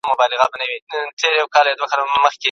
لرغوني متنونه زموږ د ژبې تاریخ ساتي.